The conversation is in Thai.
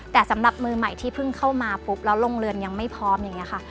แต่สำหรับมือใหม่ที่เพิ่งเข้ามาปุ๊บแล้วโรงเรือนยังไม่พร้อมอย่างนี้ค่ะ